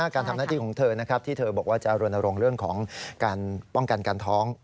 การทำหน้าที่ของเธอนะครับที่เธอบอกว่าจะรณรงค์เรื่องของการป้องกันการท้อง